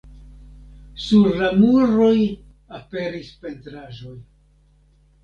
Sur la muroj aperis pentraĵoj.